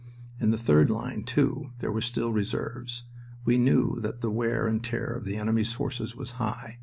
In the third line, too, there were still reserves. We knew that the wear and tear of the enemy's forces was high.